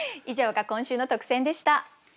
以上が今週の特選でした。